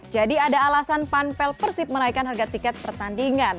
jadi ada alasan pampel persib menaikkan harga tiket pertandingan